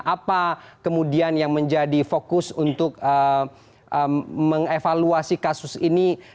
apa kemudian yang menjadi fokus untuk mengevaluasi kasus ini